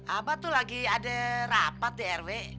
apa tuh lagi ada rapat di rw